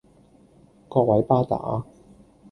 各位巴打